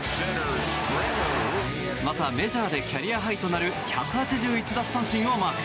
また、メジャーでキャリアハイとなる１８１奪三振をマーク。